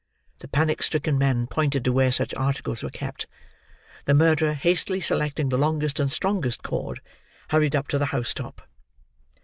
The panic stricken men pointed to where such articles were kept; the murderer, hastily selecting the longest and strongest cord, hurried up to the house top.